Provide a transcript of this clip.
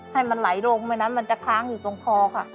ให้มันไหลลงเพราะฉะนั้นมันจะค้างอยู่ตรงคอค่ะ